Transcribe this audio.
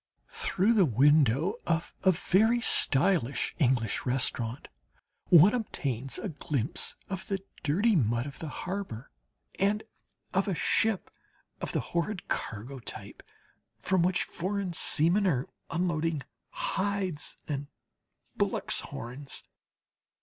Through the window of a very stylish English restaurant one obtains a glimpse of the dirty mud of the harbour and of a ship of the horrid cargo type, from which foreign seamen are unloading hides and bullocks' horns.